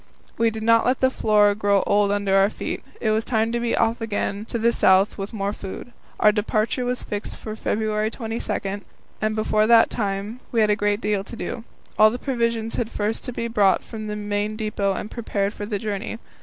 We did not let the floor grow old under our feet; it was time to be off again to the south with more food. Our departure was fixed for February 22, and before that time we had a great deal to do. All the provisions had first to be brought from the main depot and prepared for the journey.